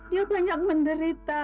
dia banyak menderita